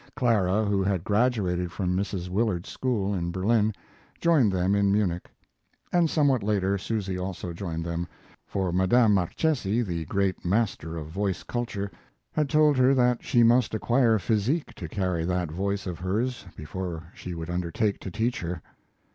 Clara, who had graduated from Mrs. Willard's school in Berlin, joined them in Munich, and somewhat later Susy also joined them, for Madame Marchesi, the great master of voice culture, had told her that she must acquire physique to carry that voice of hers before she would undertake to teach her.